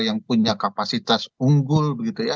yang punya kapasitas unggul